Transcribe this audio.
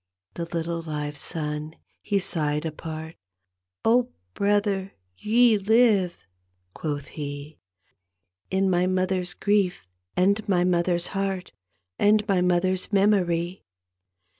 The litde live son he sighed apart, " Oh, brother, ye live," quoth he, " In my mother's grief and my mother's heart And my mother's memory.